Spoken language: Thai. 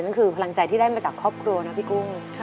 คือพลังใจที่ได้มาจากครอบครัวนะพี่กุ้ง